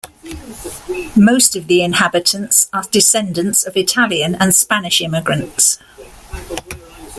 Most of the inhabitants are descendants of Italian and Spanish immigrants.